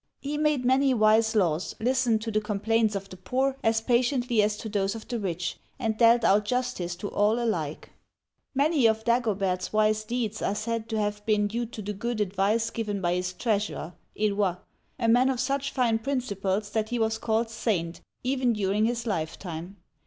He made many wise laws, listened to the complaints of the poor as patiently as to those of the rich, and dealt out justice to all alike. Digitized by VjOOQIC DAGOBERT (628 638) 61 Many of Dagobert*s wise deeds are said to have been due to the good advice given by his treasurer (Eloi), a man of such fine princ^iples that he was called "saint" even during his life time.